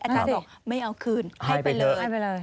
อาจารย์บอกไม่เอาคืนให้ไปเลย